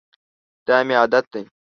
دا مي عادت دی .